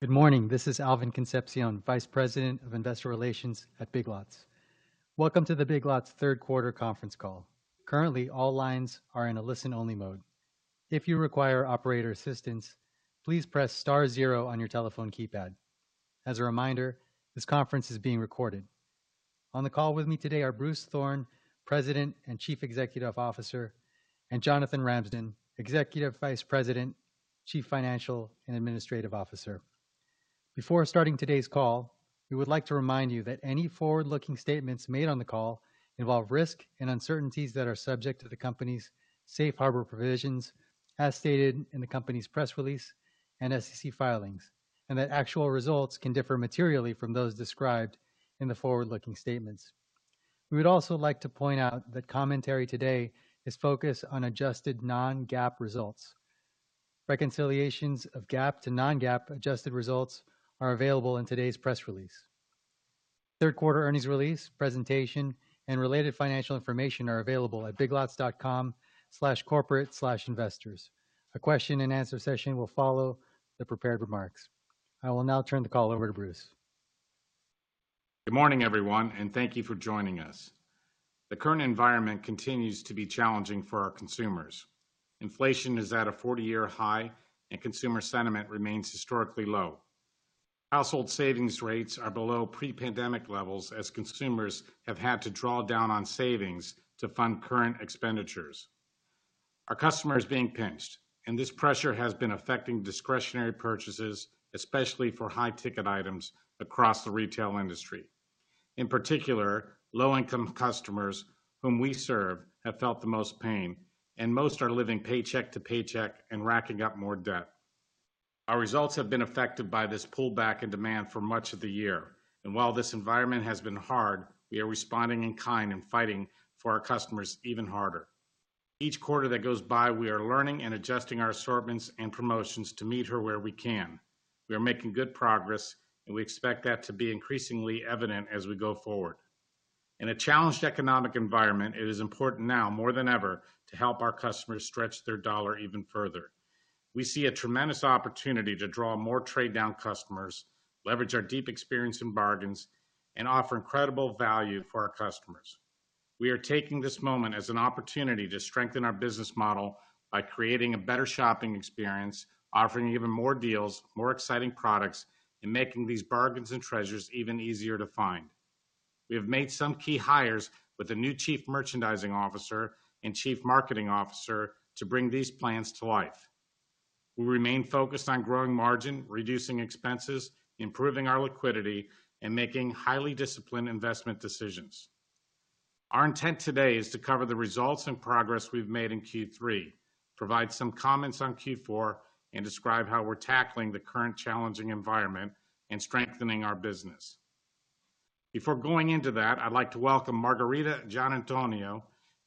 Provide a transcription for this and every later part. Good morning. This is Alvin Concepcion, Vice President of Investor Relations at Big Lots. Welcome to the Big Lots third quarter conference call. Currently, all lines are in a listen-only mode. If you require operator assistance, please press star zero on your telephone keypad. As a reminder, this conference is being recorded. On the call with me today are Bruce Thorn, President and Chief Executive Officer, and Jonathan Ramsden, Executive Vice President, Chief Financial and Administrative Officer. Before starting today's call, we would like to remind you that any forward-looking statements made on the call involve risks and uncertainties that are subject to the company's safe harbor provisions as stated in the company's press release and SEC filings, and that actual results can differ materially from those described in the forward-looking statements. We would also like to point out that commentary today is focused on adjusted non-GAAP results. Reconciliations of GAAP to non-GAAP adjusted results are available in today's press release. Third quarter earnings release, presentation, and related financial information are available at biglots.com/corporate/investors. A question and answer session will follow the prepared remarks. I will now turn the call over to Bruce. Good morning, everyone, and thank you for joining us. The current environment continues to be challenging for our consumers. Inflation is at a 40-year high, and consumer sentiment remains historically low. Household savings rates are below pre-pandemic levels as consumers have had to draw down on savings to fund current expenditures. Our customer is being pinched, and this pressure has been affecting discretionary purchases, especially for high ticket items across the retail industry. In particular, low income customers whom we serve have felt the most pain, and most are living paycheck to paycheck and racking up more debt. Our results have been affected by this pullback in demand for much of the year. While this environment has been hard, we are responding in kind and fighting for our customers even harder. Each quarter that goes by, we are learning and adjusting our assortments and promotions to meet her where we can. We are making good progress, and we expect that to be increasingly evident as we go forward. In a challenged economic environment, it is important now more than ever to help our customers stretch their dollar even further. We see a tremendous opportunity to draw more trade down customers, leverage our deep experience in bargains, and offer incredible value for our customers. We are taking this moment as an opportunity to strengthen our business model by creating a better shopping experience, offering even more deals, more exciting products, and making these bargains and treasures even easier to find. We have made some key hires with a new Chief Merchandising Officer and Chief Marketing Officer to bring these plans to life. We remain focused on growing margin, reducing expenses, improving our liquidity, and making highly disciplined investment decisions. Our intent today is to cover the results and progress we've made in Q3, provide some comments on Q4, and describe how we're tackling the current challenging environment and strengthening our business. Before going into that, I'd like to welcome Margarita Giannantonio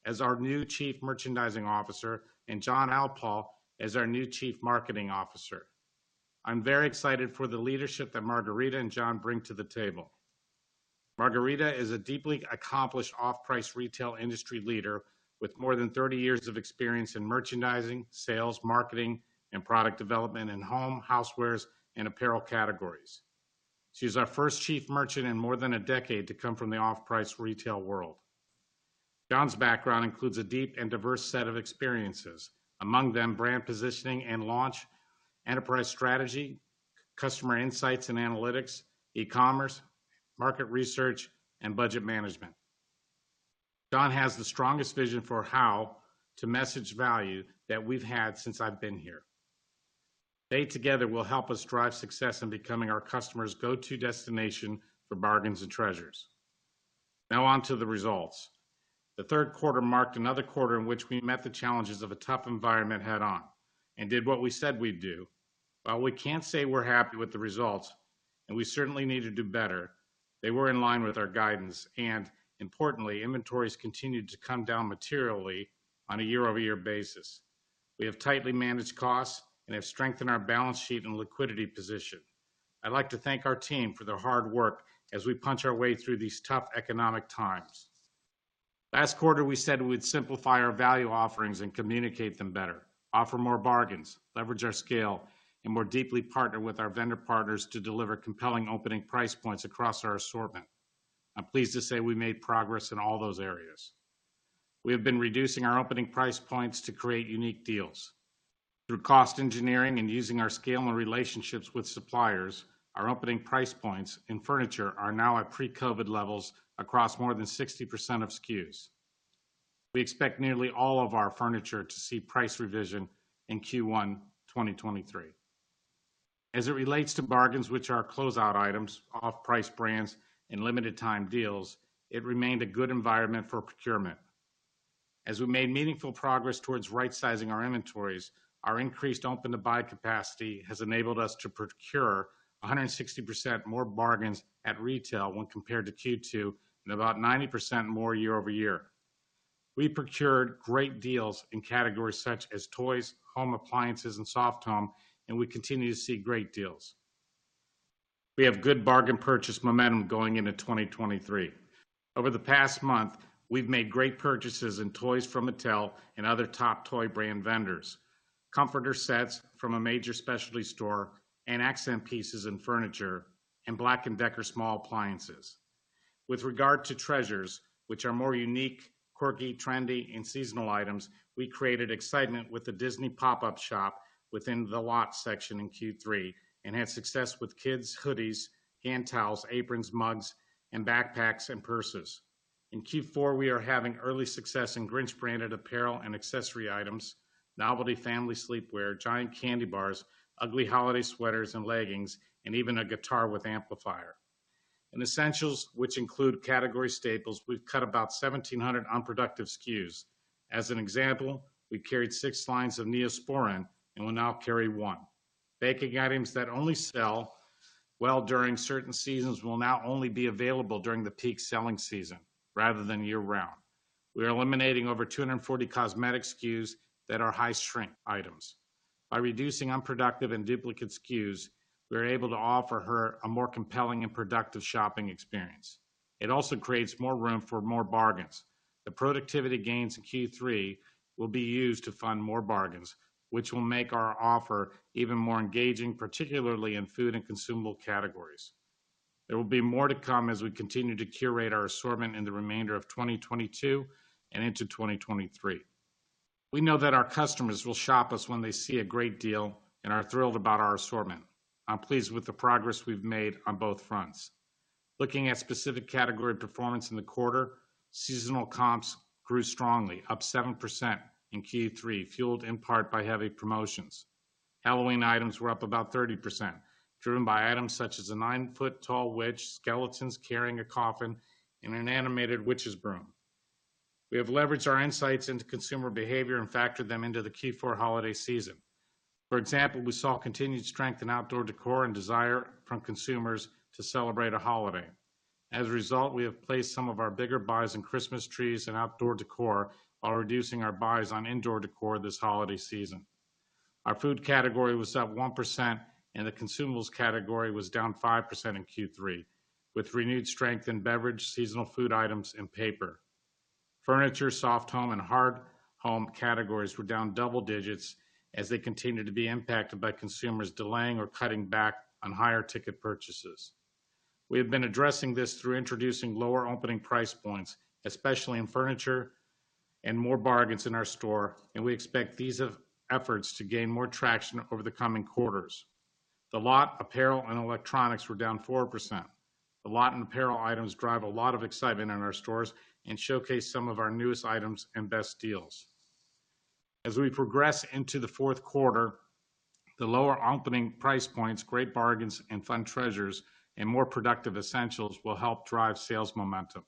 as our new Chief Merchandising Officer and John Alpaugh as our new Chief Marketing Officer. I'm very excited for the leadership that Margarita and John bring to the table. Margarita is a deeply accomplished off-price retail industry leader with more than 30 years of experience in merchandising, sales, marketing, and product development in home, housewares, and apparel categories. She's our first Chief Merchant in more than a decade to come from the off-price retail world. John's background includes a deep and diverse set of experiences, among them brand positioning and launch, enterprise strategy, customer insights and analytics, e-commerce, market research, and budget management. John has the strongest vision for how to message value that we've had since I've been here. They together will help us drive success in becoming our customers' go-to destination for bargains and treasures. Now on to the results. The third quarter marked another quarter in which we met the challenges of a tough environment head on and did what we said we'd do. While we can't say we're happy with the results, and we certainly need to do better, they were in line with our guidance, and importantly, inventories continued to come down materially on a year-over-year basis. We have tightly managed costs and have strengthened our balance sheet and liquidity position. I'd like to thank our team for their hard work as we punch our way through these tough economic times. Last quarter, we said we'd simplify our value offerings and communicate them better, offer more bargains, leverage our scale, and more deeply partner with our vendor partners to deliver compelling opening price points across our assortment. I'm pleased to say we made progress in all those areas. We have been reducing our opening price points to create unique deals. Through cost engineering and using our scale and relationships with suppliers, our opening price points in furniture are now at pre-COVID levels across more than 60% of SKUs. We expect nearly all of our furniture to see price revision in Q1 2023. As it relates to bargains, which are closeout items, off-price brands, and limited time deals, it remained a good environment for procurement. As we made meaningful progress towards right-sizing our inventories, our increased open-to-buy capacity has enabled us to procure 160% more bargains at retail when compared to Q2 and about 90% more year-over-year. We procured great deals in categories such as toys, home appliances, and soft home. We continue to see great deals. We have good bargain purchase momentum going into 2023. Over the past month, we've made great purchases in toys from Mattel and other top toy brand vendors, comforter sets from a major specialty store, and accent pieces and furniture, and Black & Decker small appliances. With regard to treasures, which are more unique, quirky, trendy, and seasonal items, we created excitement with the Disney Pop-Up Shop within The LOT! section in Q3, and had success with kids' hoodies, hand towels, aprons, mugs, and backpacks, and purses. In Q4, we are having early success in Grinch branded apparel and accessory items, novelty family sleepwear, giant candy bars, ugly holiday sweaters and leggings, and even a guitar with amplifier. In essentials, which include category staples, we've cut about 1,700 unproductive SKUs. As an example, we carried six lines of NEOSPORIN and will now carry one. Baking items that only sell well during certain seasons will now only be available during the peak selling season rather than year-round. We are eliminating over 240 cosmetic SKUs that are high shrink items. By reducing unproductive and duplicate SKUs, we're able to offer her a more compelling and productive shopping experience. It also creates more room for more bargains. The productivity gains in Q3 will be used to fund more bargains, which will make our offer even more engaging, particularly in food and consumable categories. There will be more to come as we continue to curate our assortment in the remainder of 2022 and into 2023. We know that our customers will shop us when they see a great deal and are thrilled about our assortment. I'm pleased with the progress we've made on both fronts. Looking at specific category performance in the quarter, seasonal comps grew strongly, up 7% in Q3, fueled in part by heavy promotions. Halloween items were up about 30%, driven by items such as a 9-foot-tall witch, skeletons carrying a coffin, and an animated witch's broom. We have leveraged our insights into consumer behavior and factored them into the Q4 holiday season. For example, we saw continued strength in outdoor decor and desire from consumers to celebrate a holiday. We have placed some of our bigger buys in Christmas trees and outdoor decor while reducing our buys on indoor decor this holiday season. Our food category was up 1%, the consumables category was down 5% in Q3, with renewed strength in beverage, seasonal food items, and paper. Furniture, soft home, and hard home categories were down double digits as they continued to be impacted by consumers delaying or cutting back on higher ticket purchases. We have been addressing this through introducing lower opening price points, especially in furniture and more bargains in our store, we expect these efforts to gain more traction over the coming quarters. The LOT! apparel and electronics were down 4%. The LOT! apparel items drive a lot of excitement in our stores and showcase some of our newest items and best deals. As we progress into the fourth quarter, the lower opening price points, great bargains and fun treasures, and more productive essentials will help drive sales momentum.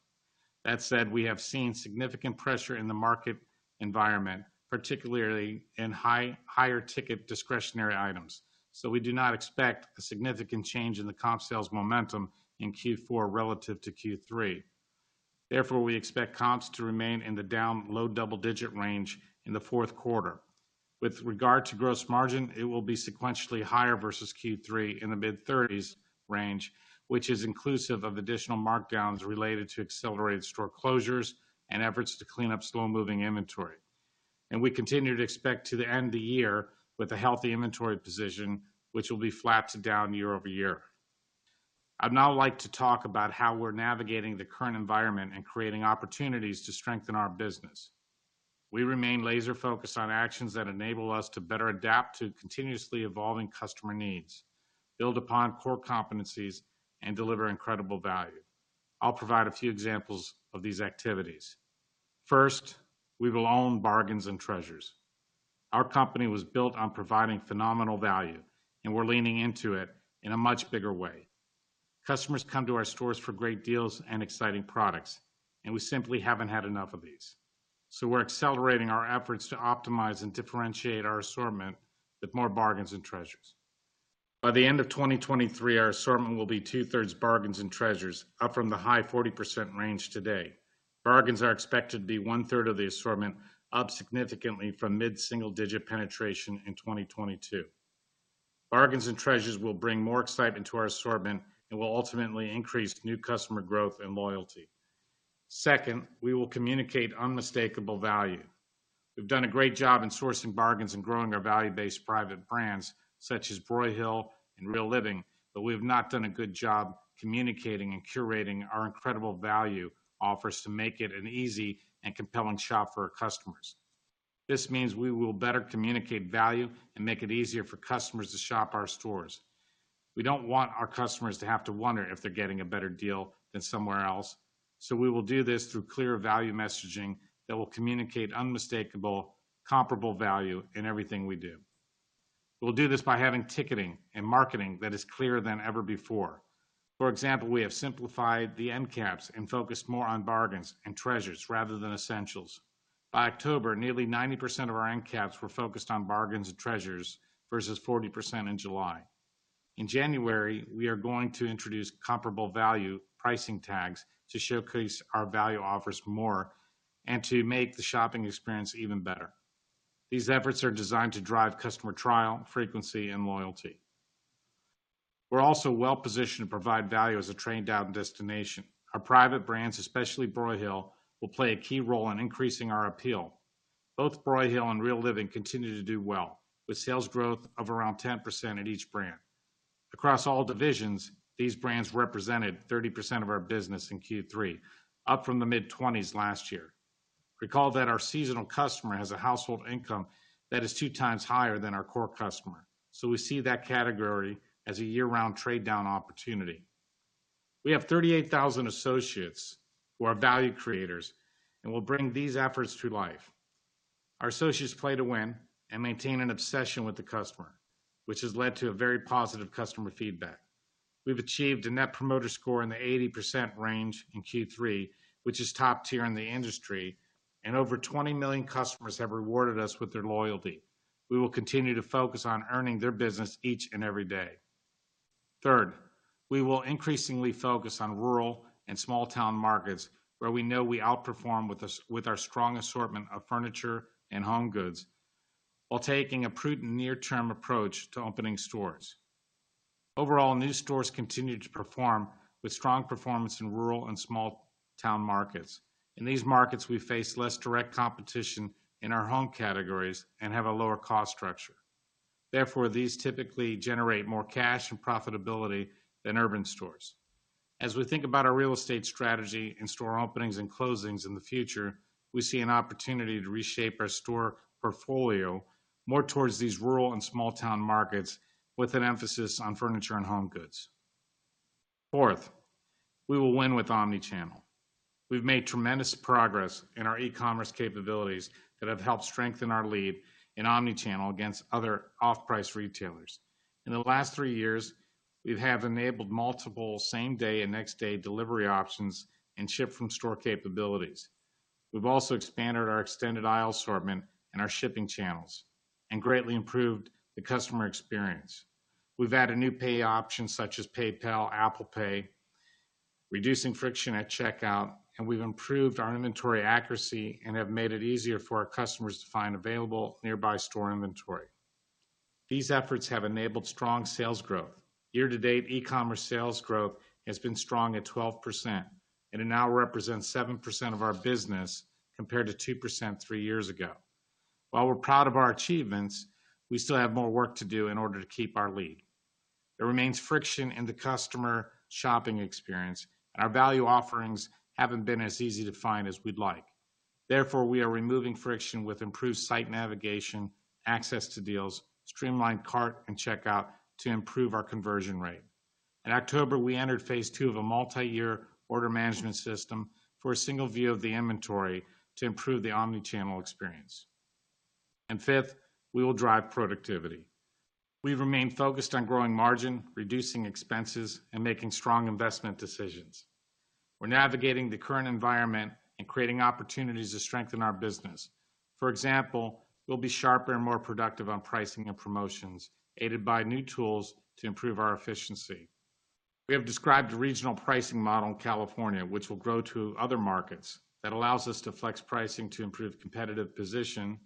That said, we have seen significant pressure in the market environment, particularly in higher ticket discretionary items. We do not expect a significant change in the comp sales momentum in Q4 relative to Q3. Therefore, we expect comps to remain in the down low double-digit range in the fourth quarter. With regard to gross margin, it will be sequentially higher versus Q3 in the mid-30s range, which is inclusive of additional markdowns related to accelerated store closures and efforts to clean up slow-moving inventory. We continue to expect to end the year with a healthy inventory position, which will be flat to down year-over-year. I'd now like to talk about how we're navigating the current environment and creating opportunities to strengthen our business. We remain laser focused on actions that enable us to better adapt to continuously evolving customer needs, build upon core competencies, and deliver incredible value. I'll provide a few examples of these activities. First, we will own bargains and treasures. Our company was built on providing phenomenal value, and we're leaning into it in a much bigger way. Customers come to our stores for great deals and exciting products, and we simply haven't had enough of these. We're accelerating our efforts to optimize and differentiate our assortment with more bargains and treasures. By the end of 2023, our assortment will be 2/3 bargains and treasures, up from the high 40% range today. Bargains are expected to be one-third of the assortment, up significantly from mid-single digit penetration in 2022. Bargains and treasures will bring more excitement to our assortment and will ultimately increase new customer growth and loyalty. Second, we will communicate unmistakable value. We've done a great job in sourcing bargains and growing our value-based private brands, such as Broyhill and Real Living, but we have not done a good job communicating and curating our incredible value offers to make it an easy and compelling shop for our customers. This means we will better communicate value and make it easier for customers to shop our stores. We don't want our customers to have to wonder if they're getting a better deal than somewhere else, so we will do this through clear value messaging that will communicate unmistakable, comparable value in everything we do. We'll do this by having ticketing and marketing that is clearer than ever before. For example, we have simplified the end caps and focused more on bargains and treasures rather than essentials. By October, nearly 90% of our end caps were focused on bargains and treasures versus 40% in July. In January, we are going to introduce comparable value pricing tags to showcase our value offers more and to make the shopping experience even better. These efforts are designed to drive customer trial, frequency, and loyalty. We're also well-positioned to provide value as a trade-down destination. Our private brands, especially Broyhill, will play a key role in increasing our appeal. Both Broyhill and Real Living continue to do well, with sales growth of around 10% at each brand. Across all divisions, these brands represented 30% of our business in Q3, up from the mid-20s last year. Recall that our seasonal customer has a household income that is two times higher than our core customer, so we see that category as a year-round trade-down opportunity. We have 38,000 associates who are value creators and will bring these efforts to life. Our associates play to win and maintain an obsession with the customer, which has led to a very positive customer feedback. We've achieved a Net Promoter Score in the 80% range in Q3, which is top tier in the industry, and over 20 million customers have rewarded us with their loyalty. We will continue to focus on earning their business each and every day. Third, we will increasingly focus on rural and small-town markets where we know we outperform with our strong assortment of furniture and home goods while taking a prudent near-term approach to opening stores. Overall, new stores continue to perform with strong performance in rural and small-town markets. In these markets, we face less direct competition in our home categories and have a lower cost structure. These typically generate more cash and profitability than urban stores. As we think about our real estate strategy and store openings and closings in the future, we see an opportunity to reshape our store portfolio more towards these rural and small-town markets with an emphasis on furniture and home goods. Fourth, we will win with omnichannel. We've made tremendous progress in our e-commerce capabilities that have helped strengthen our lead in omnichannel against other off-price retailers. In the last three years, we have enabled multiple same-day and next-day delivery options and ship-from-store capabilities. We've also expanded our extended aisle assortment and our shipping channels and greatly improved the customer experience. We've added new pay options such as PayPal, Apple Pay, reducing friction at checkout, and we've improved our inventory accuracy and have made it easier for our customers to find available nearby store inventory. These efforts have enabled strong sales growth. Year-to-date, e-commerce sales growth has been strong at 12% and it now represents 7% of our business, compared to 2% three years ago. While we're proud of our achievements, we still have more work to do in order to keep our lead. There remains friction in the customer shopping experience, and our value offerings haven't been as easy to find as we'd like. Therefore, we are removing friction with improved site navigation, access to deals, streamlined cart and checkout to improve our conversion rate. In October, we entered phase two of a multi-year order management system for a single view of the inventory to improve the omnichannel experience. Fifth, we will drive productivity. We remain focused on growing margin, reducing expenses, and making strong investment decisions. We're navigating the current environment and creating opportunities to strengthen our business. For example, we'll be sharper and more productive on pricing and promotions, aided by new tools to improve our efficiency. We have described a regional pricing model in California, which will grow to other markets, that allows us to flex pricing to improve competitive position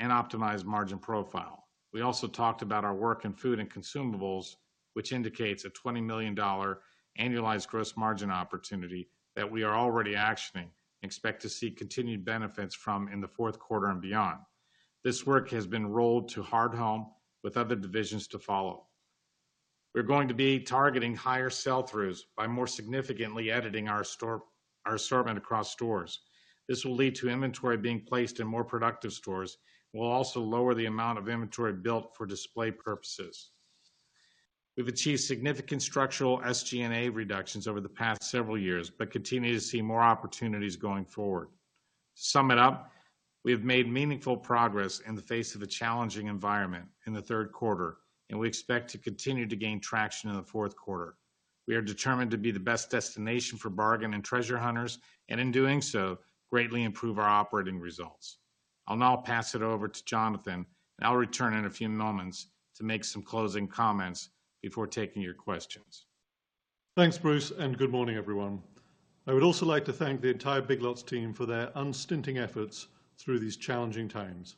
and optimize margin profile. We also talked about our work in food and consumables, which indicates a $20 million annualized gross margin opportunity that we are already actioning and expect to see continued benefits from in the fourth quarter and beyond. This work has been rolled to hard home with other divisions to follow. We're going to be targeting higher sell-throughs by more significantly editing our assortment across stores. This will lead to inventory being placed in more productive stores. We'll also lower the amount of inventory built for display purposes. We've achieved significant structural SG&A reductions over the past several years, but continue to see more opportunities going forward. To sum it up, we have made meaningful progress in the face of a challenging environment in the third quarter, and we expect to continue to gain traction in the fourth quarter. We are determined to be the best destination for bargain and treasure hunters, and in doing so, greatly improve our operating results. I'll now pass it over to Jonathan, and I'll return in a few moments to make some closing comments before taking your questions. Thanks, Bruce. Good morning, everyone. I would also like to thank the entire Big Lots team for their unstinting efforts through these challenging times.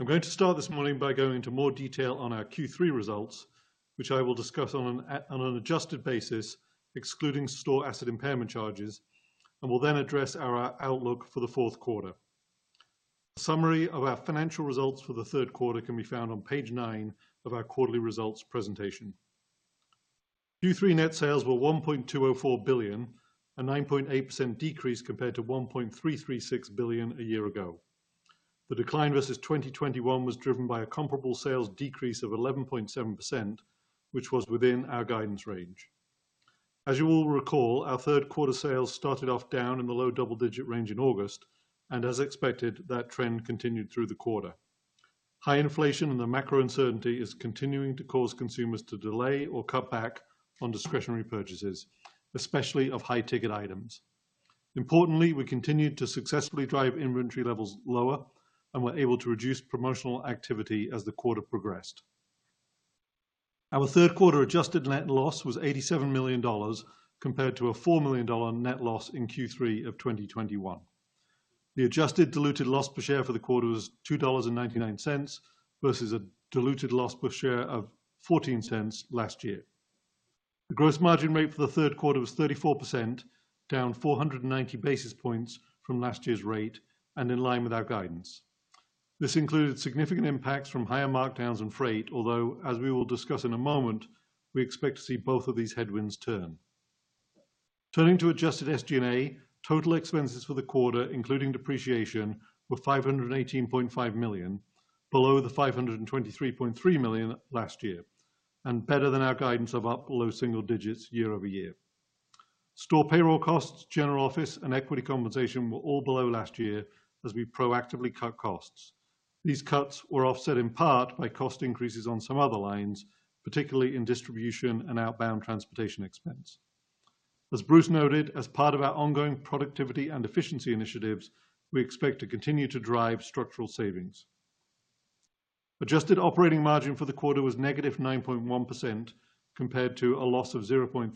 I'm going to start this morning by going into more detail on our Q3 results, which I will discuss on an adjusted basis, excluding store asset impairment charges, will then address our outlook for the fourth quarter. Summary of our financial results for the third quarter can be found on page nine of our quarterly results presentation. Q3 net sales were $1.204 billion, a 9.8% decrease compared to $1.336 billion a year ago. The decline versus 2021 was driven by a comparable sales decrease of 11.7%, which was within our guidance range. As you all recall, our third quarter sales started off down in the low double-digit range in August, and as expected, that trend continued through the quarter. High inflation and the macro uncertainty is continuing to cause consumers to delay or cut back on discretionary purchases, especially of high ticket items. Importantly, we continued to successfully drive inventory levels lower and were able to reduce promotional activity as the quarter progressed. Our third quarter adjusted net loss was $87 million compared to a $4 million net loss in Q3 of 2021. The adjusted diluted loss per share for the quarter was $2.99 versus a diluted loss per share of $0.14 last year. The gross margin rate for the third quarter was 34%, down 490 basis points from last year's rate and in line with our guidance. This included significant impacts from higher markdowns and freight, although as we will discuss in a moment, we expect to see both of these headwinds turn. Turning to adjusted SG&A, total expenses for the quarter, including depreciation, were $518.5 million, below the $523.3 million last year, and better than our guidance of up low single digits year-over-year. Store payroll costs, general office, and equity compensation were all below last year as we proactively cut costs. These cuts were offset in part by cost increases on some other lines, particularly in distribution and outbound transportation expense. As Bruce noted, as part of our ongoing productivity and efficiency initiatives, we expect to continue to drive structural savings. Adjusted operating margin for the quarter was -9.1% compared to a loss of 0.3%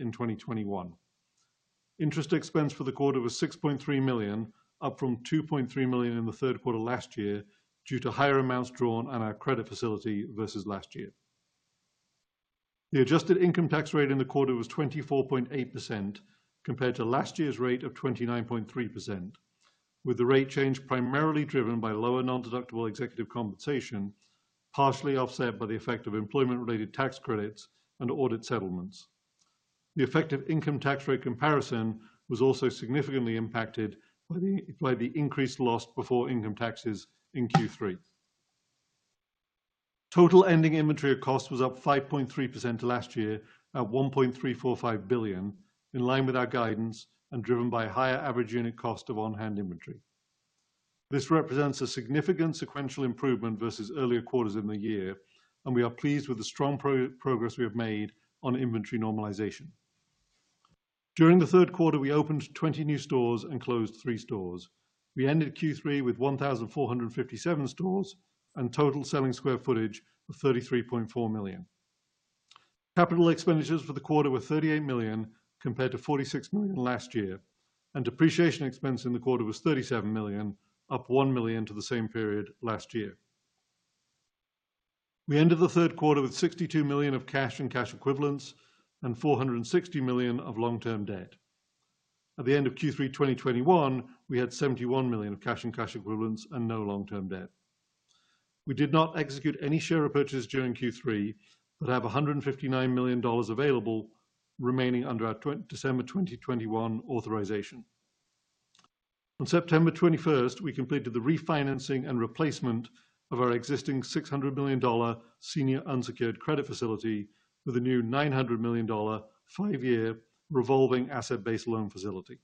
in 2021. Interest expense for the quarter was $6.3 million, up from $2.3 million in the third quarter last year due to higher amounts drawn on our credit facility versus last year. The adjusted income tax rate in the quarter was 24.8% compared to last year's rate of 29.3%, with the rate change primarily driven by lower nondeductible executive compensation, partially offset by the effect of employment-related tax credits and audit settlements. The effective income tax rate comparison was also significantly impacted by the increased loss before income taxes in Q3. Total ending inventory of cost was up 5.3% to last year at $1.345 billion, in line with our guidance and driven by higher average unit cost of on-hand inventory. This represents a significant sequential improvement versus earlier quarters in the year, we are pleased with the strong pro-progress we have made on inventory normalization. During the third quarter, we opened 20 new stores and closed three stores. We ended Q3 with 1,457 stores and total selling square footage of 33.4 million. Capital expenditures for the quarter were $38 million compared to $46 million last year, and depreciation expense in the quarter was $37 million, up $1 million to the same period last year. We ended the third quarter with $62 million of cash and cash equivalents and $460 million of long-term debt. At the end of Q3 2021, we had $71 million of cash and cash equivalents and no long-term debt. We did not execute any share repurchase during Q3, but have $159 million available remaining under our December 2021 authorization. On September 21st, we completed the refinancing and replacement of our existing $600 million senior unsecured credit facility with a new $900 million five year revolving asset-based loan facility.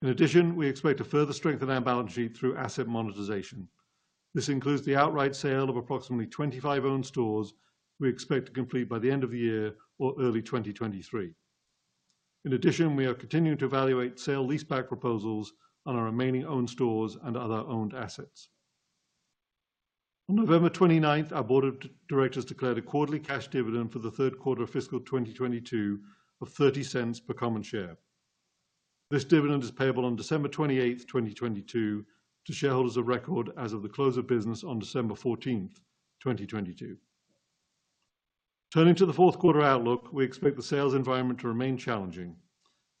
In addition, we expect to further strengthen our balance sheet through asset monetization. This includes the outright sale of approximately 25 owned stores we expect to complete by the end of the year or early 2023. In addition, we are continuing to evaluate sale leaseback proposals on our remaining owned stores and other owned assets. On November 29th, our board of directors declared a quarterly cash dividend for the third quarter of fiscal 2022 of $0.30 per common share. This dividend is payable on December 28th, 2022 to shareholders of record as of the close of business on December 14th, 2022. Turning to the fourth quarter outlook, we expect the sales environment to remain challenging.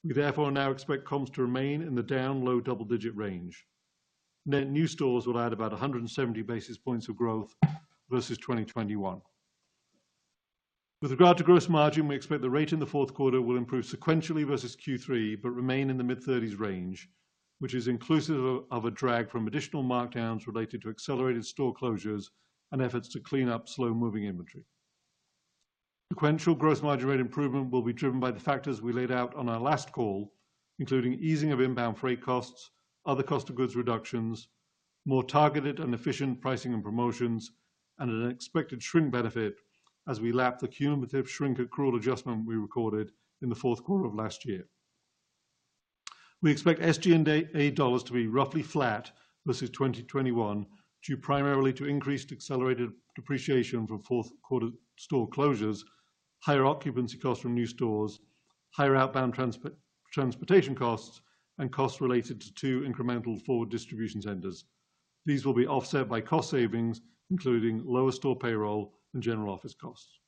We therefore now expect comps to remain in the down low double-digit range. Net new stores will add about 170 basis points of growth versus 2021. With regard to gross margin, we expect the rate in the fourth quarter will improve sequentially versus Q3, but remain in the mid-30s range, which is inclusive of a drag from additional markdowns related to accelerated store closures and efforts to clean up slow-moving inventory. Sequential gross margin rate improvement will be driven by the factors we laid out on our last call, including easing of inbound freight costs, other cost of goods reductions, more targeted and efficient pricing and promotions, and an expected shrink benefit as we lap the cumulative shrink accrual adjustment we recorded in the fourth quarter of last year. We expect SG&A dollars to be roughly flat versus 2021, due primarily to increased accelerated depreciation from fourth quarter store closures, higher occupancy costs from new stores, higher outbound transportation costs, and costs related to two incremental four distribution centers. These will be offset by cost savings, including lower store payroll and general office costs.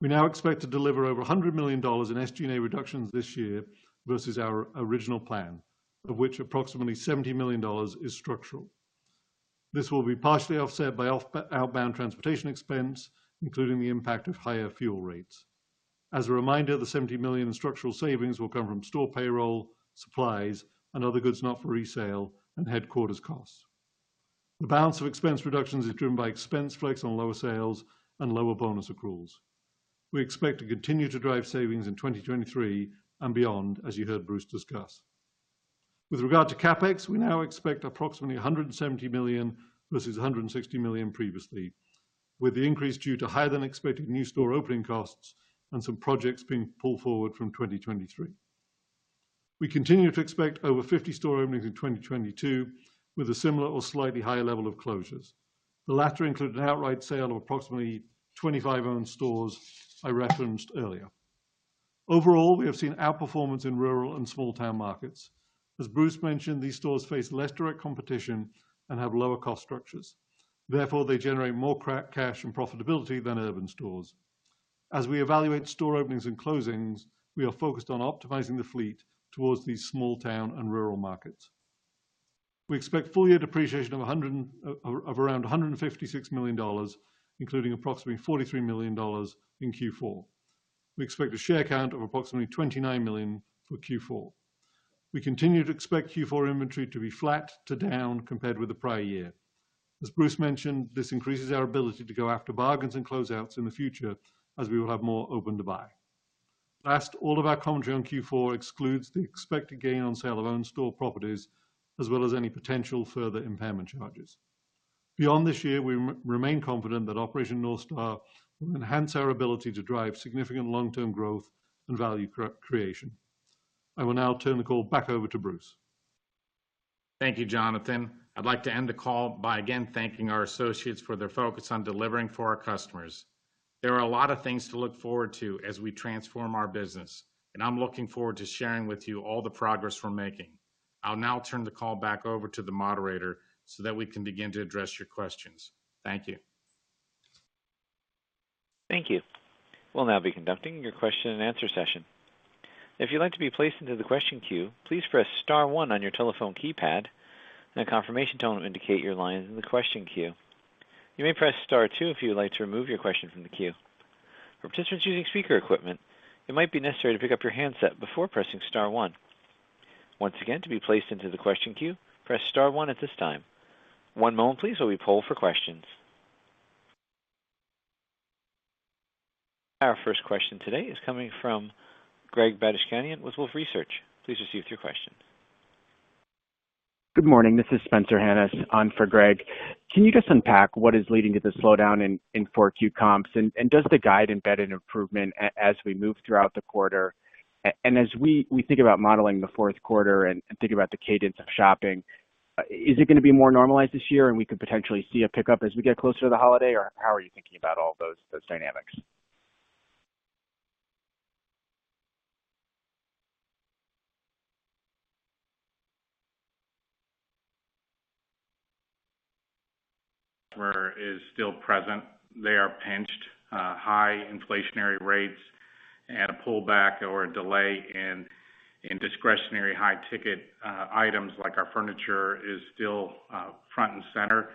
We now expect to deliver over $100 million in SG&A reductions this year versus our original plan, of which approximately $70 million is structural. This will be partially offset by outbound transportation expense, including the impact of higher fuel rates. As a reminder, the $70 million structural savings will come from store payroll, supplies, and other goods not for resale and headquarters costs. The balance of expense reductions is driven by expense flex on lower sales and lower bonus accruals. We expect to continue to drive savings in 2023 and beyond, as you heard Bruce discuss. With regard to CapEx, we now expect approximately $170 million versus $160 million previously, with the increase due to higher than expected new store opening costs and some projects being pulled forward from 2023. We continue to expect over 50 store openings in 2022, with a similar or slightly higher level of closures. The latter include an outright sale of approximately 25 owned stores I referenced earlier. Overall, we have seen outperformance in rural and small town markets. As Bruce mentioned, these stores face less direct competition and have lower cost structures. Therefore, they generate more cash and profitability than urban stores. As we evaluate store openings and closings, we are focused on optimizing the fleet towards these small town and rural markets. We expect full year depreciation of around $156 million, including approximately $43 million in Q4. We expect a share count of approximately 29 million for Q4. We continue to expect Q4 inventory to be flat to down compared with the prior year. As Bruce mentioned, this increases our ability to go after bargains and closeouts in the future, as we will have more open-to-buy. Last, all of our commentary on Q4 excludes the expected gain on sale of own store properties, as well as any potential further impairment charges. Beyond this year, we remain confident that Operation North Star will enhance our ability to drive significant long-term growth and value creation. I will now turn the call back over to Bruce. Thank you, Jonathan. I'd like to end the call by, again, thanking our associates for their focus on delivering for our customers. There are a lot of things to look forward to as we transform our business. I'm looking forward to sharing with you all the progress we're making. I'll now turn the call back over to the moderator so that we can begin to address your questions. Thank you. Thank you. We'll now be conducting your question and answer session. If you'd like to be placed into the question queue, please press star one on your telephone keypad and a confirmation tone will indicate your line is in the question queue. You may press star two if you would like to remove your question from the queue. For participants using speaker equipment, it might be necessary to pick up your handset before pressing star one. Once again, to be placed into the question queue, press star one at this time. One moment please, while we poll for questions. Our first question today is coming from Greg Badishkanian with Wolfe Research. Please proceed with your question. Good morning, this is Spencer Hanus on for Greg. Can you just unpack what is leading to the slowdown in 4Q comps? Does the guide embed an improvement as we move throughout the quarter? As we think about modeling the fourth quarter and think about the cadence of shopping, is it gonna be more normalized this year and we could potentially see a pickup as we get closer to the holiday? How are you thinking about all those dynamics? Where is still present, they are pinched, high inflationary rates and a pullback or a delay in discretionary high ticket, items like our furniture is still front and center.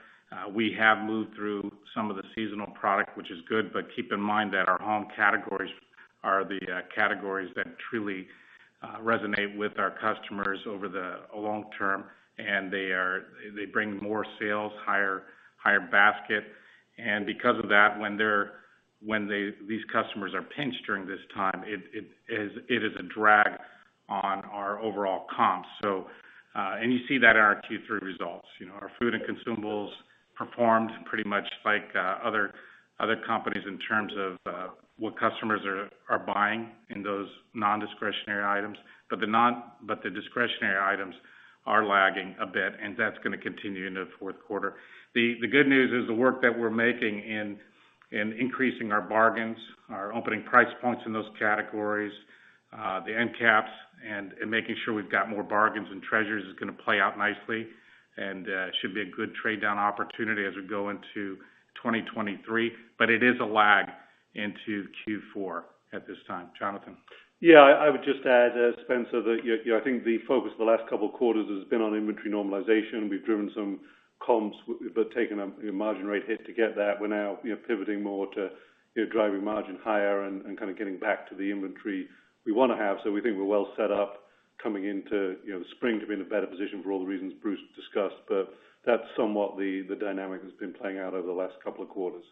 We have moved through some of the seasonal product, which is good, but keep in mind that our home categories are the categories that truly resonate with our customers over the long term, and they bring more sales, higher basket. Because of that, when these customers are pinched during this time, it is a drag on our overall comps. You see that in our Q3 results. You know, our food and consumables performed pretty much like other companies in terms of what customers are buying in those non-discretionary items. The discretionary items are lagging a bit, and that's gonna continue into the fourth quarter. The good news is the work that we're making in increasing our bargains, our opening price points in those categories, the end caps and making sure we've got more bargains and treasures is gonna play out nicely and should be a good trade down opportunity as we go into 2023. It is a lag into Q4 at this time. Jonathan? I would just add, Spencer, that, you know, I think the focus for the last couple of quarters has been on inventory normalization. We've driven some comps we've taken a margin rate hit to get that. We're now, you know, pivoting more to, you know, driving margin higher and kind of getting back to the inventory we wanna have. We think we're well set up coming into, you know, the spring to be in a better position for all the reasons Bruce discussed. That's somewhat the dynamic that's been playing out over the last couple of quarters.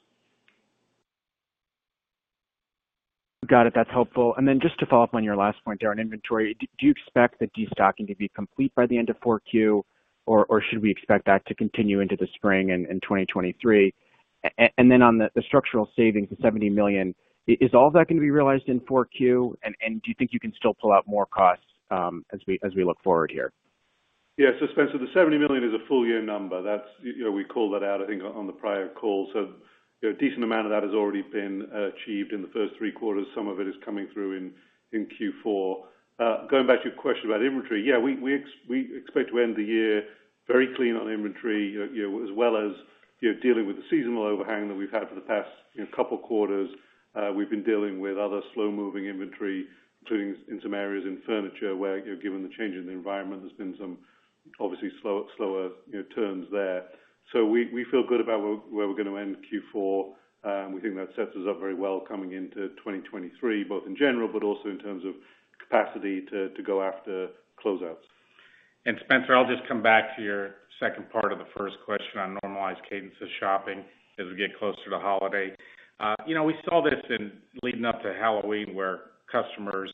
Got it. That's helpful. Just to follow up on your last point there on inventory. Do you expect the destocking to be complete by the end of 4Q or should we expect that to continue into the spring in 2023? Then on the structural savings of $70 million, is all of that gonna be realized in 4Q? Do you think you can still pull out more costs as we look forward here? Yeah. Spencer, the $70 million is a full year number. That's, you know, we called that out, I think, on the prior call. You know, a decent amount of that has already been achieved in the first three quarters. Some of it is coming through in Q4. Going back to your question about inventory. Yeah, we expect to end the year very clean on inventory, you know, as well as, you know, dealing with the seasonal overhang that we've had for the past, you know, couple quarters. We've been dealing with other slow moving inventory, including in some areas in furniture where, you know, given the change in the environment, there's been some obviously slower, you know, turns there. We feel good about where we're gonna end Q4. We think that sets us up very well coming into 2023, both in general, but also in terms of capacity to go after closeouts. Spencer, I'll just come back to your second part of the first question on normalized cadence of shopping as we get closer to holiday. you know, we saw this in leading up to Halloween, where customers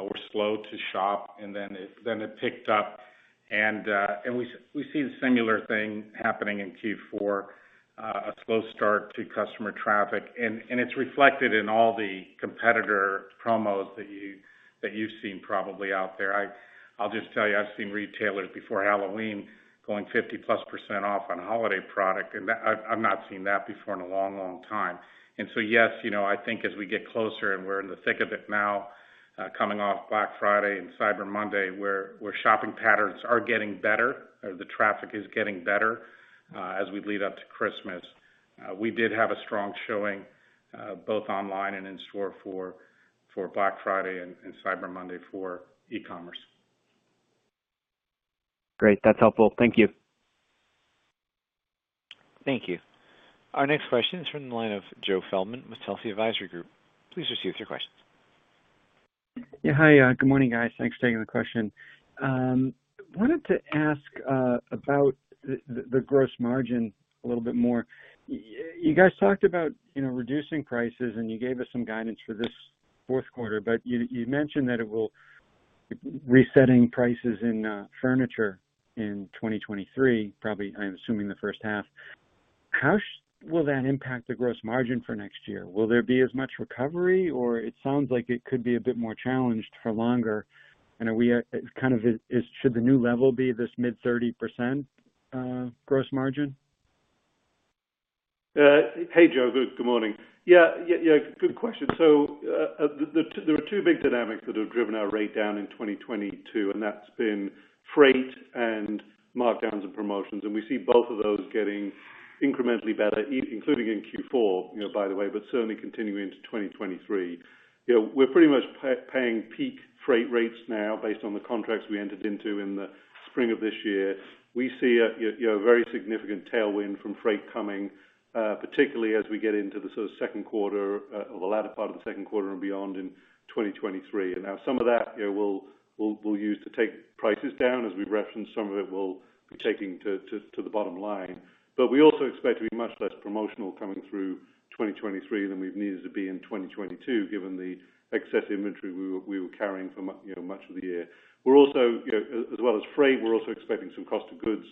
were slow to shop and then it picked up. We see the similar thing happening in Q4, a slow start to customer traffic. It's reflected in all the competitor promos that you, that you've seen probably out there. I'll just tell you, I've seen retailers before Halloween going 50%+ off on holiday product, and that. I've not seen that before in a long, long time. Yes, you know, I think as we get closer, and we're in the thick of it now, coming off Black Friday and Cyber Monday, where shopping patterns are getting better or the traffic is getting better, as we lead up to Christmas. We did have a strong showing, both online and in store for Black Friday and Cyber Monday for e-commerce. Great. That's helpful. Thank you. Thank you. Our next question is from the line of Joe Feldman with Telsey Advisory Group. Please proceed with your questions. Yeah. Hi. Good morning, guys. Thanks for taking the question. Wanted to ask about the gross margin a little bit more. You guys talked about, you know, reducing prices, and you gave us some guidance for this fourth quarter. You, you mentioned that it will... Resetting prices in furniture in 2023, probably, I'm assuming, the first half. How will that impact the gross margin for next year? Will there be as much recovery or it sounds like it could be a bit more challenged for longer? Are we, kind of is should the new level be this mid-30% gross margin? Hey, Joe. Good morning. Yeah, yeah. Good question. There are two big dynamics that have driven our rate down in 2022, and that's been freight and markdowns and promotions. We see both of those getting incrementally better, including in Q4, you know, by the way, but certainly continuing into 2023. You know, we're pretty much paying peak freight rates now based on the contracts we entered into in the spring of this year. We see a, you know, very significant tailwind from freight coming, particularly as we get into the sort of second quarter, or the latter part of the second quarter and beyond in 2023. Now some of that, you know, we'll use to take prices down. As we've referenced, some of it we'll be taking to the bottom line. We also expect to be much less promotional coming through 2023 than we've needed to be in 2022, given the excess inventory we were carrying for you know, much of the year. We're also, you know, as well as freight, we're also expecting some cost of goods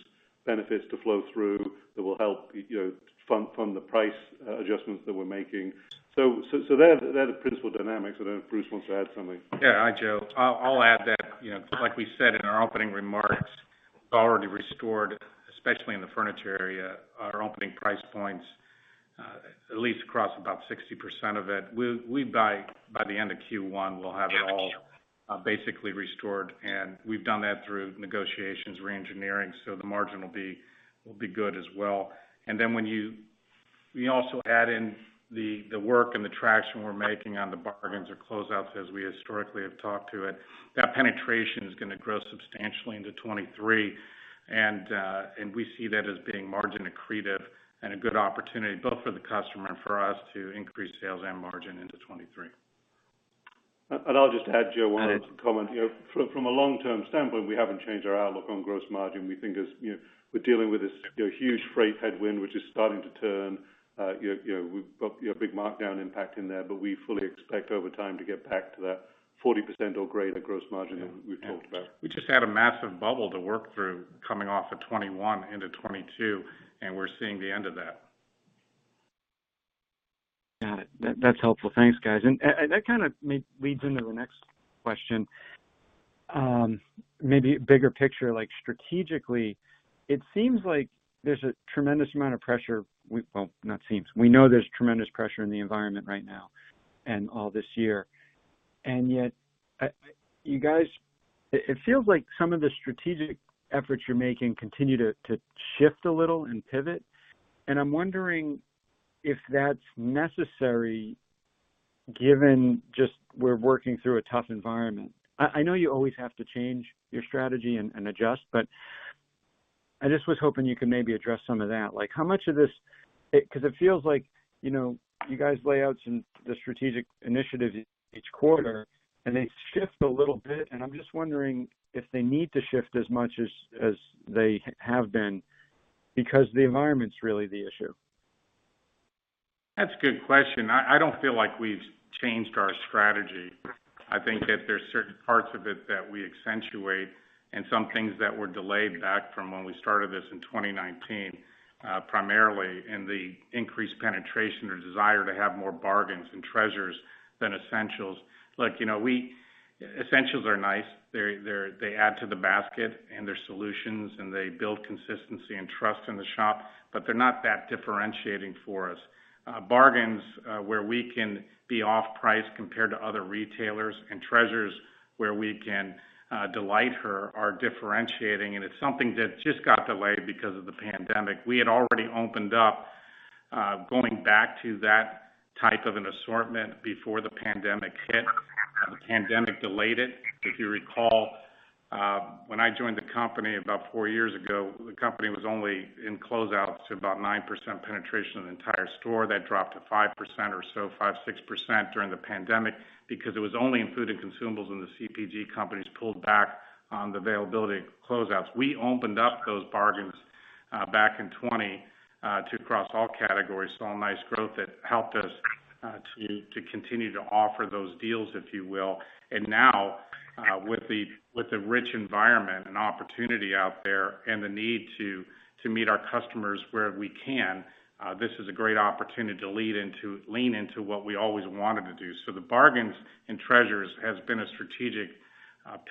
benefits to flow through that will help, you know, fund the price adjustments that we're making. They're the principal dynamics. I don't know if Bruce wants to add something? Yeah. Hi, Joe. I'll add that, you know, like we said in our opening remarks, we've already restored, especially in the furniture area, our opening price points, at least across about 60% of it. We by the end of Q1, we'll have it all basically restored. We've done that through negotiations, re-engineering. The margin will be good as well. We also add in the work and the traction we're making on the bargains or closeouts as we historically have talked to it, that penetration is gonna grow substantially into 2023. We see that as being margin accretive and a good opportunity both for the customer and for us to increase sales and margin into 2023. I'll just add, Joe, one other comment here. From a long-term standpoint, we haven't changed our outlook on gross margin. We think as, you know, we're dealing with this, you know, huge freight headwind, which is starting to turn, you know, we've got a big markdown impact in there. We fully expect over time to get back to that 40% or greater gross margin that we've talked about. We just had a massive bubble to work through coming off of 2021 into 2022, and we're seeing the end of that. Got it. That's helpful. Thanks, guys. That kind of leads into the next question. Maybe bigger picture, like strategically, it seems like there's a tremendous amount of pressure... Well, not seems. We know there's tremendous pressure in the environment right now and all this year. Yet, you guys... It feels like some of the strategic efforts you're making continue to shift a little and pivot, and I'm wondering if that's necessary given just we're working through a tough environment. I know you always have to change your strategy and adjust, but I just was hoping you could maybe address some of that. Like, how much of this Because it feels like, you know, you guys lay out some the strategic initiatives each quarter and they shift a little bit, and I'm just wondering if they need to shift as much as they have been because the environment's really the issue. That's a good question. I don't feel like we've changed our strategy. I think that there's certain parts of it that we accentuate and some things that were delayed back from when we started this in 2019, primarily in the increased penetration or desire to have more bargains and treasures than essentials. Look, you know, Essentials are nice. They add to the basket and their solutions, and they build consistency and trust in the shop, but they're not that differentiating for us. Bargains, where we can be off price compared to other retailers and treasures where we can delight her are differentiating, and it's something that just got delayed because of the pandemic. We had already opened up going back to that type of an assortment before the pandemic hit. The pandemic delayed it. If you recall, when I joined the company about four years ago, the company was only in closeouts to about 9% penetration of the entire store. That dropped to 5% or so, 5%, 6% during the pandemic because it was only in food and consumables, and the CPG companies pulled back on the availability of closeouts. We opened up those bargains, back in 2020, to cross all categories, saw a nice growth that helped us to continue to offer those deals, if you will. Now-With the, with the rich environment and opportunity out there and the need to meet our customers where we can, this is a great opportunity to lean into what we always wanted to do. The bargains and treasures has been a strategic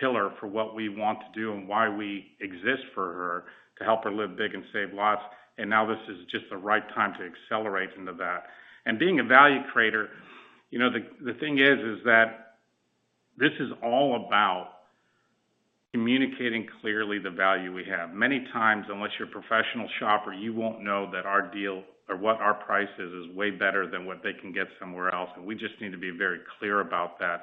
pillar for what we want to do and why we exist for her to help her live big and save lots. Now this is just the right time to accelerate into that. Being a value creator, you know, the thing is, this is all about communicating clearly the value we have. Many times, unless you're a professional shopper, you won't know that our deal or what our price is way better than what they can get somewhere else. We just need to be very clear about that.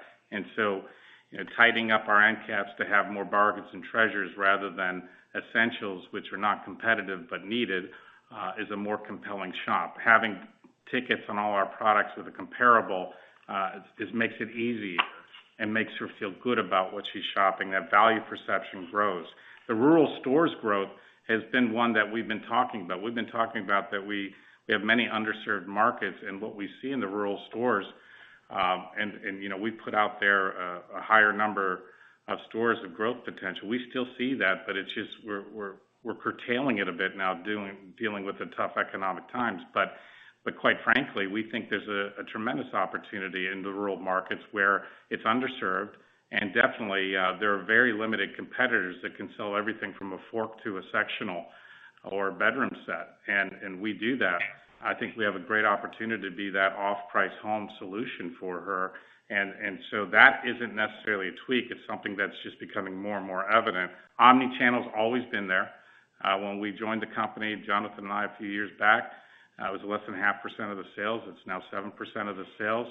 Tidying up our end caps to have more bargains and treasures rather than essentials which are not competitive but needed, is a more compelling shop. Having tickets on all our products with a comparable, just makes it easier and makes her feel good about what she's shopping. That value perception grows. The rural stores growth has been one that we've been talking about. We've been talking about that we have many underserved markets and what we see in the rural stores, you know, we put out there a higher number of stores of growth potential. We still see that, but it's just we're curtailing it a bit now dealing with the tough economic times. Quite frankly, we think there's a tremendous opportunity in the rural markets where it's underserved. Definitely, there are very limited competitors that can sell everything from a fork to a sectional or a bedroom set, and we do that. I think we have a great opportunity to be that off-price home solution for her. That isn't necessarily a tweak. It's something that's just becoming more and more evident. Omnichannel's always been there. When we joined the company, Jonathan and I, a few years back, it was less than 0.5% of the sales. It's now 7% of the sales.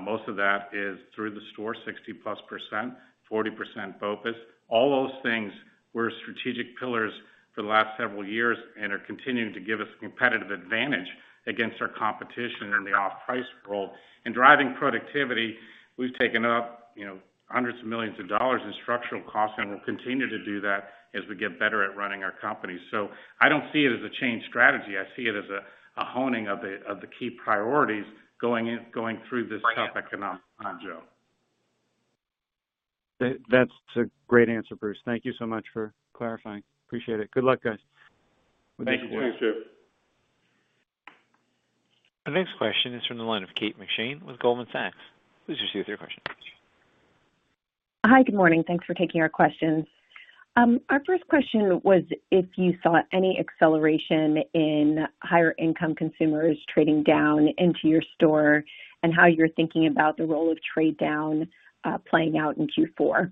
Most of that is through the store, 60%+, 40% BOPIS. All those things were strategic pillars for the last several years and are continuing to give us competitive advantage against our competition in the off-price world. In driving productivity, we've taken up, you know, hundreds of millions of dollars in structural costs, and we'll continue to do that as we get better at running our company. I don't see it as a change strategy. I see it as a honing of the key priorities going through this tough economic time, Joe. That's a great answer, Bruce. Thank you so much for clarifying. Appreciate it. Good luck, guys. Thank you. Thank you, sir. Our next question is from the line of Kate McShane with Goldman Sachs. Please proceed with your question. Hi. Good morning. Thanks for taking our questions. Our first question was if you saw any acceleration in higher-income consumers trading down into your store and how you're thinking about the role of trade down playing out in Q4?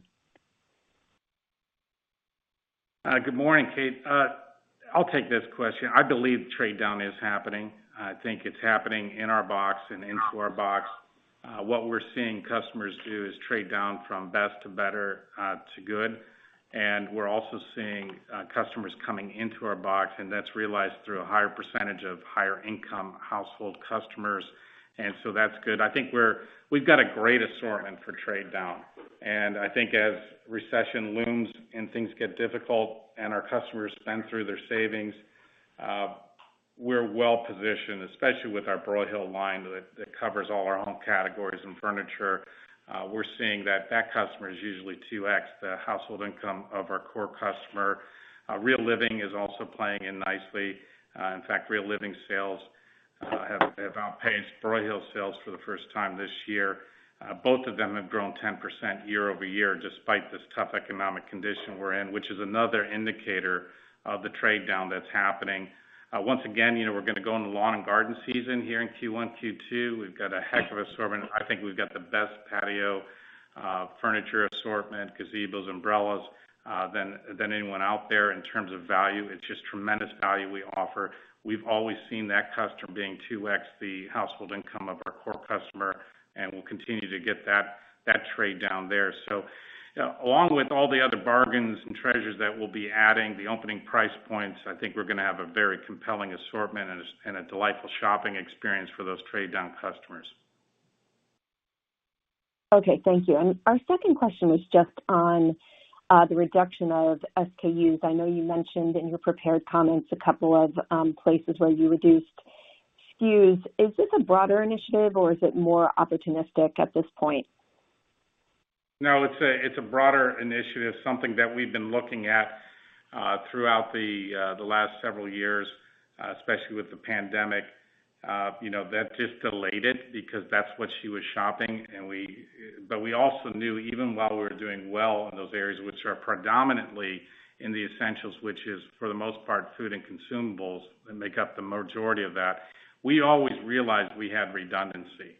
Good morning, Kate. I'll take this question. I believe trade down is happening. I think it's happening in our box and into our box. What we're seeing customers do is trade down from best to better, to good. We're also seeing customers coming into our box, and that's realized through a higher percentage of higher income household customers. That's good. I think we've got a great assortment for trade down. I think as recession looms and things get difficult and our customers spend through their savings, we're well-positioned, especially with our Broyhill line that covers all our home categories and furniture. We're seeing that that customer is usually 2x the household income of our core customer. Real Living is also playing in nicely. In fact, Real Living sales have outpaced Broyhill sales for the first time this year. Both of them have grown 10% year-over-year, despite this tough economic condition we're in, which is another indicator of the trade down that's happening. Once again, you know, we're gonna go in the lawn and garden season here in Q1, Q2. We've got a heck of assortment. I think we've got the best patio furniture assortment, gazebos, umbrellas, than anyone out there in terms of value. It's just tremendous value we offer. We've always seen that customer being 2x the household income of our core customer, and we'll continue to get that trade down there. you know, along with all the other bargains and treasures that we'll be adding, the opening price points, I think we're gonna have a very compelling assortment and a delightful shopping experience for those trade down customers. Okay, thank you. Our second question was just on the reduction of SKUs. I know you mentioned in your prepared comments a couple of places where you reduced SKUs. Is this a broader initiative or is it more opportunistic at this point? No, it's a broader initiative, something that we've been looking at throughout the last several years, especially with the pandemic. You know, that just delayed it because that's what she was shopping. We also knew even while we were doing well in those areas, which are predominantly in the essentials, which is for the most part food and consumables that make up the majority of that, we always realized we had redundancy.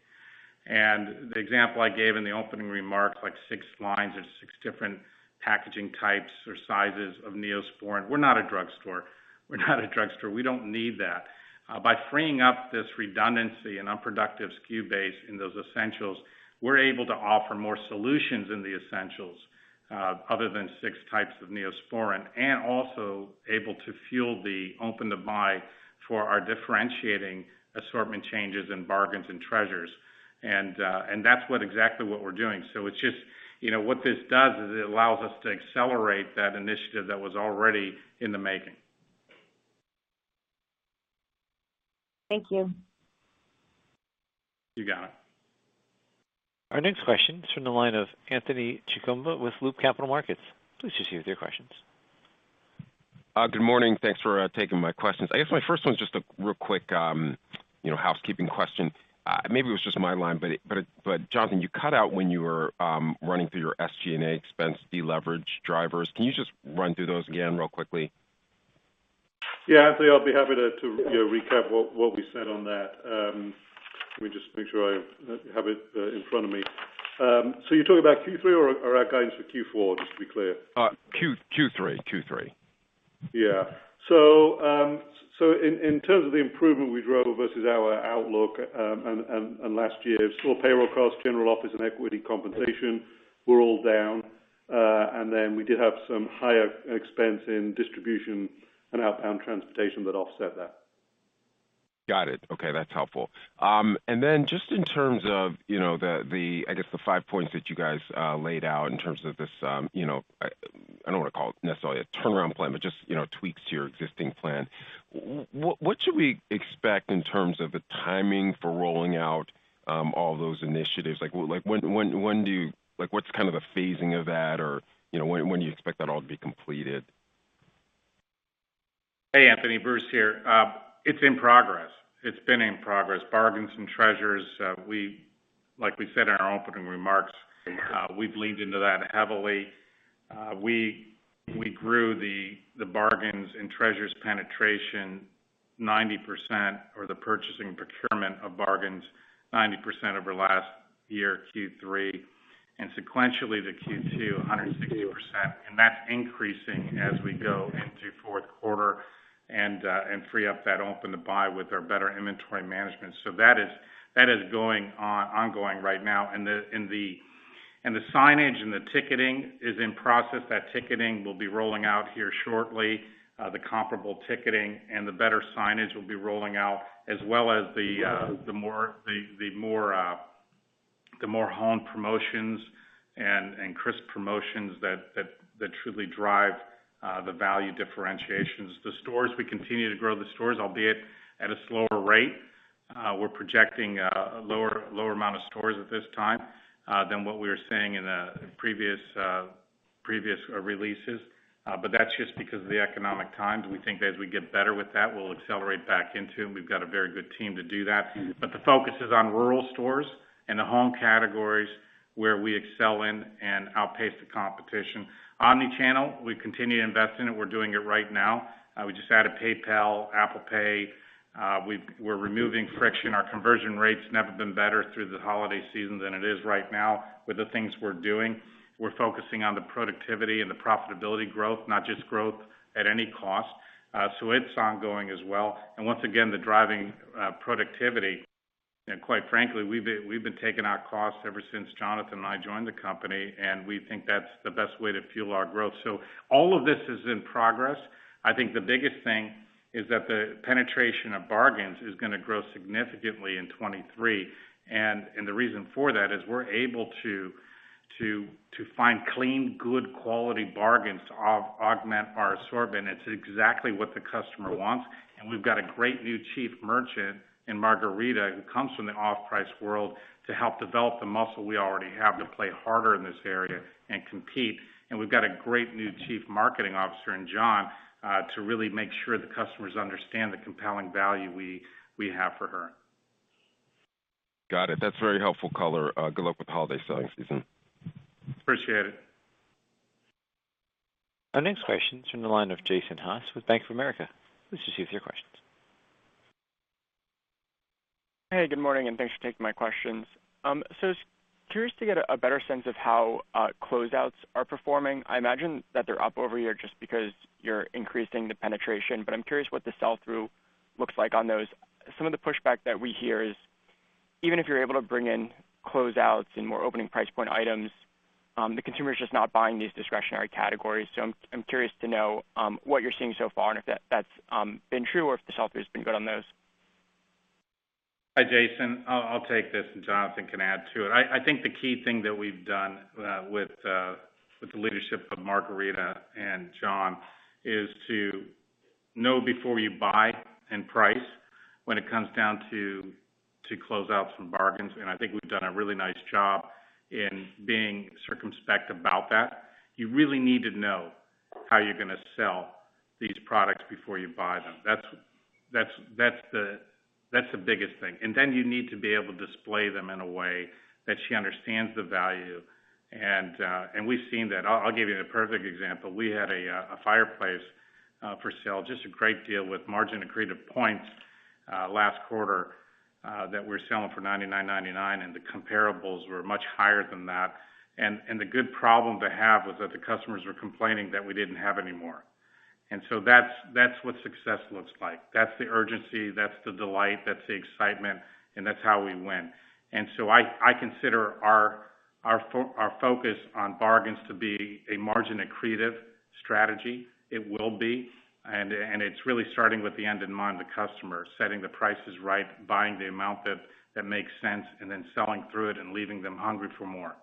The example I gave in the opening remarks, like six lines or six different packaging types or sizes of NEOSPORIN. We're not a drugstore. We're not a drugstore. We don't need that. By freeing up this redundancy and unproductive SKU base in those essentials, we're able to offer more solutions in the essentials, other than six types of NEOSPORIN, and also able to fuel the open-to-buy for our differentiating assortment changes in bargains and treasures. That's exactly what we're doing. It's just, you know, what this does is it allows us to accelerate that initiative that was already in the making. Thank you. You got it. Our next question is from the line of Anthony Chukumba with Loop Capital Markets. Please proceed with your questions. Good morning. Thanks for taking my questions. I guess my first one is just a real quick, you know, housekeeping question. Maybe it was just on my line, but Jonathan, you cut out when you were running through your SG&A expense deleverage drivers. Can you just run through those again real quickly? Yeah, Anthony, I'll be happy to, you know, recap what we said on that. Let me just make sure I have it in front of me. You're talking about Q3 or our guidance for Q4, just to be clear. Q3. Yeah. In terms of the improvement we drove versus our outlook, and last year, store payroll costs, general office, and equity compensation were all down. Then we did have some higher expense in distribution and outbound transportation that offset that. Got it. Okay, that's helpful. Then just in terms of, you know, the, I guess the five points that you guys laid out in terms of this, you know, I don't wanna call it necessarily a turnaround plan, but just, you know, tweaks to your existing plan. What should we expect in terms of the timing for rolling out all those initiatives? Like when do you like what's kind of the phasing of that? Or, you know, when do you expect that all to be completed? Hey, Anthony. Bruce here. It's in progress. It's been in progress. Bargains and Treasures, like we said in our opening remarks, we've leaned into that heavily. We grew the Bargains and Treasures penetration 90% or the purchasing procurement of bargains 90% over last year, Q3, and sequentially to Q2, 160%. That's increasing as we go into fourth quarter and free up that open-to-buy with our better inventory management. That is ongoing right now. The signage and the ticketing is in process. That ticketing will be rolling out here shortly. The comparable ticketing and the better signage will be rolling out as well as the more honed promotions and crisp promotions that truly drive the value differentiations. The stores, we continue to grow the stores, albeit at a slower rate. We're projecting a lower amount of stores at this time than what we were seeing in previous previous releases. That's just because of the economic times. We think as we get better with that, we'll accelerate back into, and we've got a very good team to do that. The focus is on rural stores and the home categories where we excel in and outpace the competition. Omnichannel, we continue to invest in it. We're doing it right now. We just added PayPal, Apple Pay. We're removing friction. Our conversion rate's never been better through the holiday season than it is right now with the things we're doing. We're focusing on the productivity and the profitability growth, not just growth at any cost. It's ongoing as well. Once again, the driving productivity. Quite frankly, we've been taking out costs ever since Jonathan and I joined the company, and we think that's the best way to fuel our growth. All of this is in progress. I think the biggest thing is that the penetration of bargains is gonna grow significantly in 2023. The reason for that is we're able to find clean, good quality bargains to augment our assortment. It's exactly what the customer wants. We've got a great new Chief Merchant in Margarita, who comes from the off-price world to help develop the muscle we already have to play harder in this area and compete. We've got a great new Chief Marketing Officer in John to really make sure the customers understand the compelling value we have for her. Got it. That's very helpful color. Good luck with the holiday selling season. Appreciate it. Our next question is from the line of Jason Haas with Bank of America. Please proceed with your questions. Hey, good morning, and thanks for taking my questions. Just curious to get a better sense of how closeouts are performing. I imagine that they're up over year just because you're increasing the penetration, but I'm curious what the sell-through looks like on those. Some of the pushback that we hear is even if you're able to bring in closeouts and more opening price point items, the consumer is just not buying these discretionary categories. I'm curious to know what you're seeing so far and if that's been true or if the sell-through has been good on those. Hi, Jason. I'll take this and Jonathan can add to it. I think the key thing that we've done with the leadership of Margarita and John is to know before you buy and price when it comes down to closeouts from bargains. I think we've done a really nice job in being circumspect about that. You really need to know how you're gonna sell these products before you buy them. That's the biggest thing. Then you need to be able to display them in a way that she understands the value. We've seen that. I'll give you the perfect example. We had a fireplace for sale, just a great deal with margin accretive points last quarter that we're selling for $99.99, and the comparables were much higher than that. The good problem to have was that the customers were complaining that we didn't have any more. That's what success looks like. That's the urgency, that's the delight, that's the excitement, and that's how we win. I consider our focus on bargains to be a margin accretive strategy. It will be, and it's really starting with the end in mind, the customer. Setting the prices right, buying the amount that makes sense, and then selling through it and leaving them hungry for more.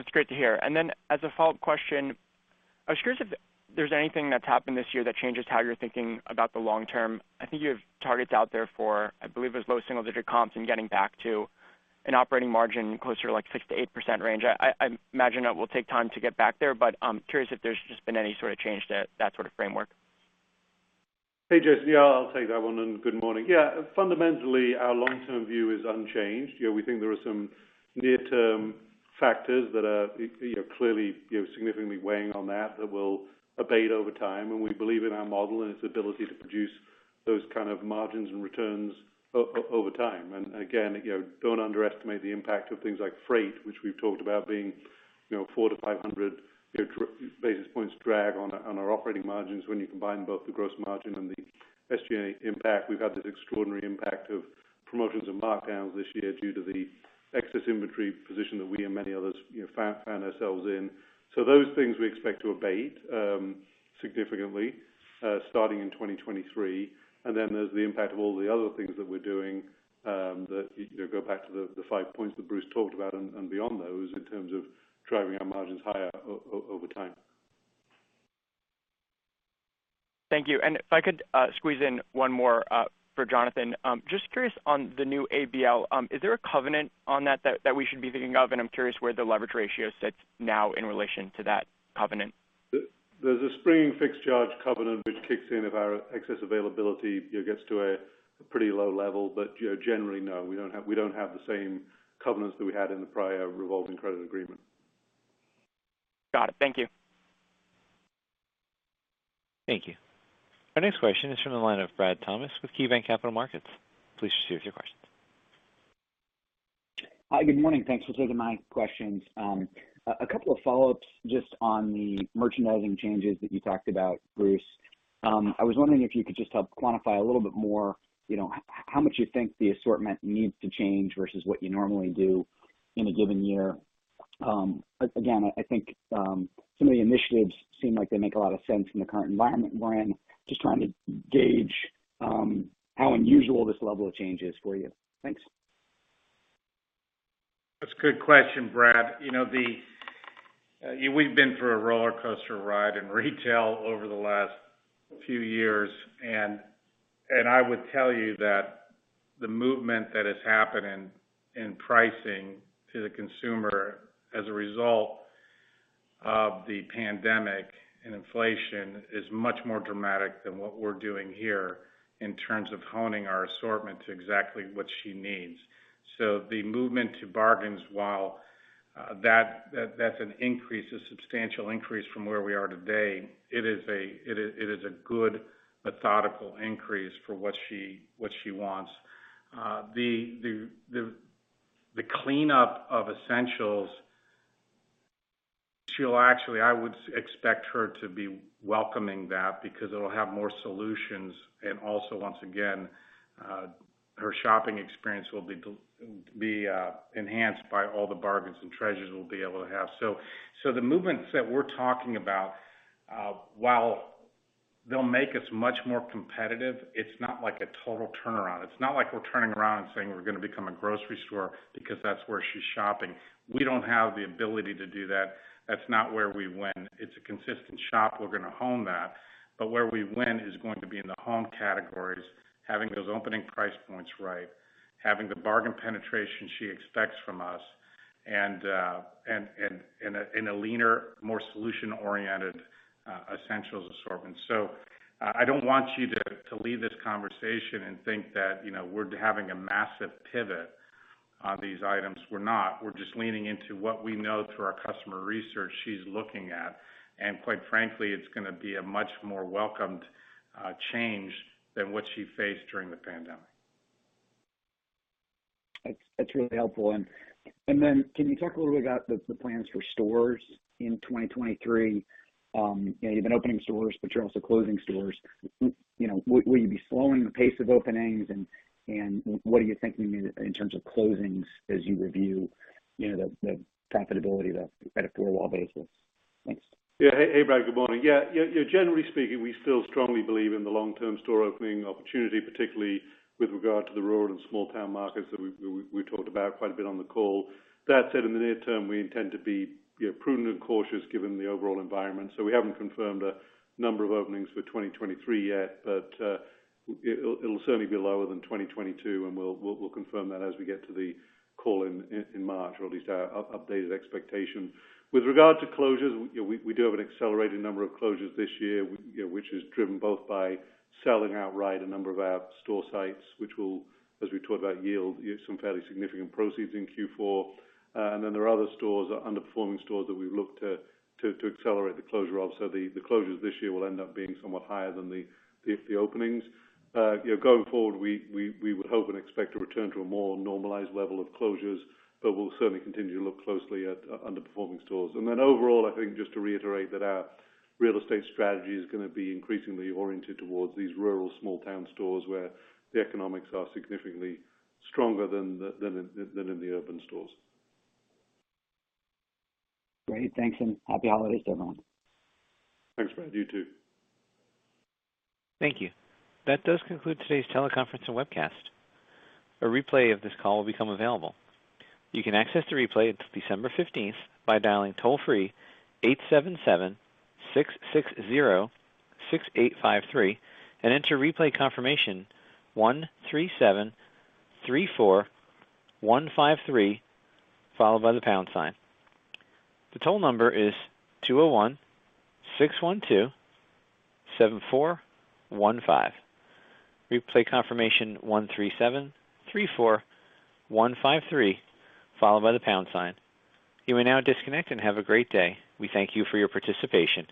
That's great to hear. As a follow-up question, I was curious if there's anything that's happened this year that changes how you're thinking about the long term. I think you have targets out there for, I believe it was low single-digit comps and getting back to an operating margin closer to, like, 6%-8% range. I imagine that will take time to get back there, but I'm curious if there's just been any sort of change to that sort of framework. Hey, Jesse. I'll take that one. Good morning. Fundamentally, our long-term view is unchanged. You know, we think there are some near-term factors that are, you know, clearly, you know, significantly weighing on that will abate over time. We believe in our model and its ability to produce those kind of margins and returns over time. Again, you know, don't underestimate the impact of things like freight, which we've talked about being, you know, 400-500 basis points drag on our operating margins when you combine both the gross margin and the SG&A impact. We've had this extraordinary impact of promotions and markdowns this year due to the excess inventory position that we and many others, you know, found ourselves in. Those things we expect to abate significantly starting in 2023. There's the impact of all the other things that we're doing, that, you know, go back to the five points that Bruce talked about and beyond those in terms of driving our margins higher over time. Thank you. If I could squeeze in one more for Jonathan. Just curious on the new ABL, is there a covenant on that we should be thinking of? I'm curious where the leverage ratio sits now in relation to that covenant. There's a springing fixed charge covenant which kicks in if our excess availability, you know, gets to a pretty low level. You know, generally, no, we don't have the same covenants that we had in the prior revolving credit agreement. Got it. Thank you. Thank you. Our next question is from the line of Brad Thomas with KeyBanc Capital Markets. Please proceed with your questions. Hi, good morning. Thanks for taking my questions. A couple of follow-ups just on the merchandising changes that you talked about, Bruce. I was wondering if you could just help quantify a little bit more, you know, how much you think the assortment needs to change versus what you normally do in a given year. Again, I think, some of the initiatives seem like they make a lot of sense in the current environment we're in. Just trying to gauge, how unusual this level of change is for you. Thanks. That's a good question, Brad. You know, we've been through a rollercoaster ride in retail over the last few years, and I would tell you that the movement that is happening in pricing to the consumer as a result of the pandemic and inflation is much more dramatic than what we're doing here in terms of honing our assortment to exactly what she needs. The movement to bargains, while that's an increase, a substantial increase from where we are today, it is a good methodical increase for what she wants. The cleanup of essentials, she'll actually. I would expect her to be welcoming that because it'll have more solutions. Also, once again, her shopping experience will be enhanced by all the bargains and treasures we'll be able to have. The movements that we're talking about, while they'll make us much more competitive, it's not like a total turnaround. It's not like we're turning around and saying we're gonna become a grocery store because that's where she's shopping. We don't have the ability to do that. That's not where we win. It's a consistent shop. We're gonna hone that. Where we win is going to be in the home categories, having those opening price points right, having the bargain penetration she expects from us, and in a leaner, more solution-oriented, essentials assortment. I don't want you to leave this conversation and think that, you know, we're having a massive pivot on these items. We're not. We're just leaning into what we know through our customer research she's looking at. Quite frankly, it's gonna be a much more welcomed change than what she faced during the pandemic. That's really helpful. Then can you talk a little bit about the plans for stores in 2023? You know, you've been opening stores, but you're also closing stores. You know, will you be slowing the pace of openings, and what are you thinking in terms of closings as you review, you know, the profitability at a four-wall basis? Thanks. Hey, Brad. Good morning. Generally speaking, we still strongly believe in the long-term store opening opportunity, particularly with regard to the rural and small town markets that we talked about quite a bit on the call. That said, in the near term, we intend to be, you know, prudent and cautious given the overall environment. We haven't confirmed a number of openings for 2023 yet, but it'll certainly be lower than 2022, and we'll confirm that as we get to the call in March, or at least our updated expectation. With regard to closures, you know, we do have an accelerated number of closures this year, you know, which is driven both by selling outright a number of our store sites, which will, as we talked about, yield some fairly significant proceeds in Q4. There are other stores, underperforming stores that we've looked to accelerate the closure of. The closures this year will end up being somewhat higher than the openings. You know, going forward, we would hope and expect to return to a more normalized level of closures, but we'll certainly continue to look closely at underperforming stores. Overall, I think just to reiterate that our real estate strategy is gonna be increasingly oriented towards these rural small town stores where the economics are significantly stronger than in the urban stores. Great. Thanks, and Happy Holidays to everyone. Thanks, Brad. You too. Thank you. That does conclude today's teleconference and webcast. A replay of this call will become available. You can access the replay December 15th by dialing toll free 877-660-6853 and enter replay confirmation 13734153, followed by the pound sign. The toll number is 201-612-7415. Replay confirmation 13734153, followed by the pound sign. You may now disconnect and have a great day. We thank you for your participation.